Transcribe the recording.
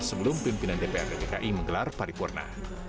sebelum pimpinan dprd dki menggelar paripurna